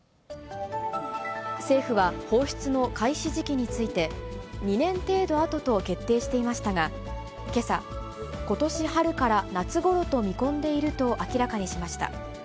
政府は放出の開始時期について、２年程度あとと決定していましたが、けさ、ことし春から夏頃と見込んでいると明らかにしました。